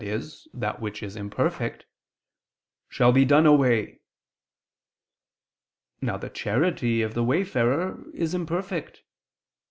e. that which is imperfect, "shall be done away." Now the charity of the wayfarer is imperfect.